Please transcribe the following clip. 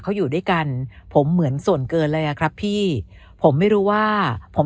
เขาอยู่ด้วยกันผมเหมือนส่วนเกินเลยอ่ะครับพี่ผมไม่รู้ว่าผม